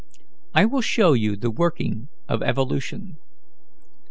"I will show you the working of evolution.